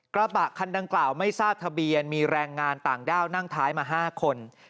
กระบะคันดังกล่าวไม่ทราบทะเบียนมีแรงงานต่างด้าวนั่งท้ายมา๕คน